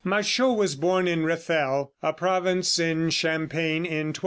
Machaut was born in Rethel, a province in Champagne, in 1284.